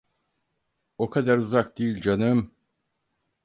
O kadar uzak değil canım…